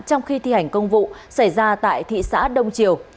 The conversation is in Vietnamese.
trong khi thi hành công vụ xảy ra tại thị xã đông triều